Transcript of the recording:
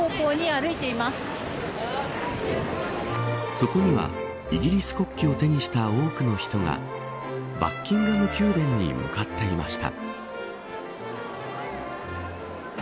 そこには、イギリス国旗を手にした多くの人がバッキンガム宮殿に向かっていました。